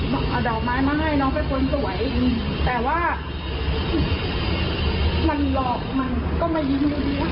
เอาดอกไม้มาให้น้องไปฝนสวยแต่ว่ามันหลอกมันก็ไม่ยิ้มดี